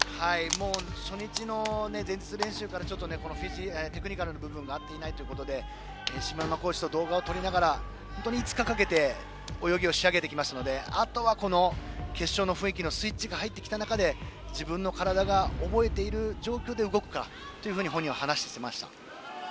初日の前日練習からテクニカルな部分が合っていないということで下山コーチと動画を撮りながら泳ぎを仕上げてきましたのであとは決勝の雰囲気のスイッチが入ってきた中で、自分の体が覚えている状況で動くかと本人は離していました。